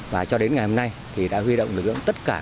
và cho đến ngày hôm nay thì đã huy động lực lượng tất cả